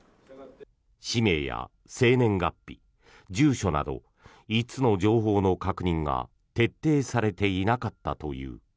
氏名や生年月日、住所など５つの情報の確認が徹底されていなかったという。